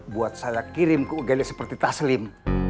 buat saya kirim ke ugd seperti taslim